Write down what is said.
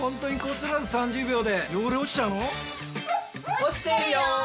落ちてるよ！